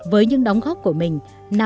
với những đóng góp của mình